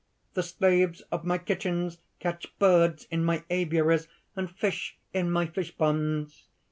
The slaves of my kitchens catch birds in my aviaries, and fish in my fishponds.